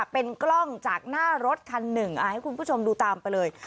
เป็นกล้องจากหน้ารถคันหนึ่งให้คุณผู้ชมดูตามไปเลย